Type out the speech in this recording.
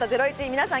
皆さん